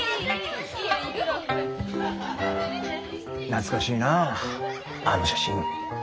懐かしいなあの写真。